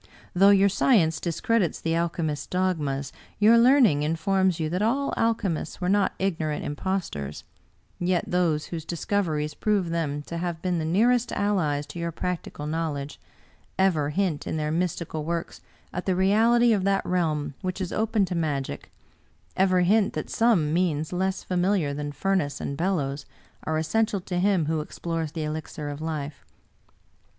Though your science discredits the alchemist's dogmas, your learn ing informs you that all alchemists were not ignorant im postors; yet those whose discoveries prove them to have been the nearest allies to your practical knowledge, ever 8i English Mystery Stories hint in their mystical works at the reality of that realm which is open to magic — ever hint that some means less familiar than furnace and bellows are essential to him who explores the elixir of life.